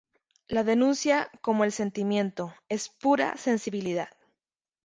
La denuncia como el sentimiento, es pura sensibilidad.